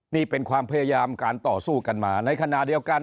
นี่เป็นความพยายามการต่อสู้กันมาในขณะเดียวกัน